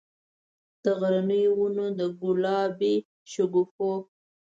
د غرنیو ونو، د ګلابي شګوفو،